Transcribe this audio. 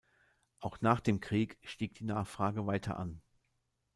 Auch nach dem Krieg stieg die Nachfrage weiter an.